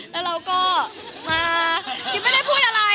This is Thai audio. แล้วเราก็มากิ๊บไม่ได้พูดอะไร